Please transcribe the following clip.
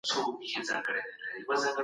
تاسو به د هر چا په وړاندي عادل اوسئ.